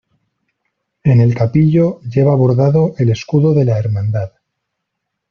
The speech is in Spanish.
En el capillo lleva bordado el escudo de la Hermandad.